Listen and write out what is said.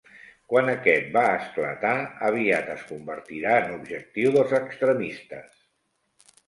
Quan aquest va esclatar aviat es convertirà en objectiu dels extremistes.